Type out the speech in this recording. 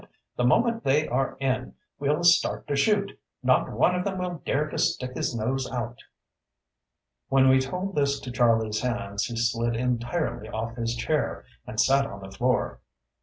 The moment they are in we'll start to shoot. Not one of them will dare to stick his nose out." When we told this to Charlie Sands he slid entirely off his chair and sat on the floor.